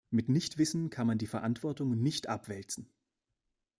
Mit Nichtwissen kann man die Verantwortung nicht abwälzen.